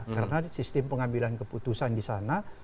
karena sistem pengambilan keputusan di sana